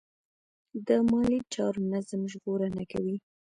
د مالي چارو نظم ژغورنه کوي.